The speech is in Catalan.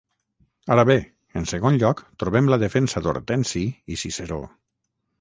Ara bé, en segon lloc, trobem la defensa d'Hortensi i Ciceró.